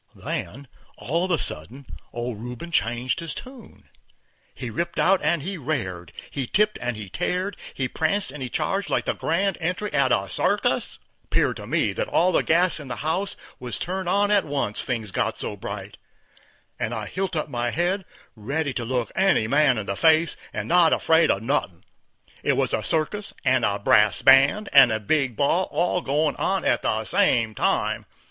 Then, all of a sudden, old Rubin changed his tune. He ripped out and he rared, he tipped and he tared, he pranced and he charged like the grand entry at a circus. 'Peared to me that all the gas in the house was turned on at once, things got so bright, and I hilt up my head, ready to look any man in the face, and not afraid of nothin'. It was a circus and a brass band and a big ball all goin' on at the same time.